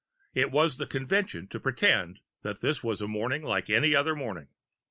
It was the convention to pretend that this was a morning like any other morning.